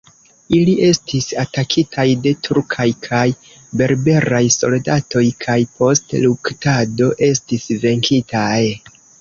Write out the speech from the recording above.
Ili estis atakitaj de turkaj kaj berberaj soldatoj, kaj post luktado, estis venkitaj.